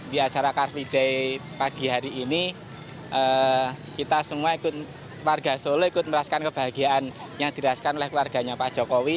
di acara car free day pagi hari ini kita semua ikut warga solo ikut merasakan kebahagiaan yang dirasakan oleh keluarganya pak jokowi